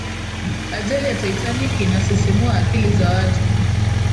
ajali ya titanic inasisimua akili za watu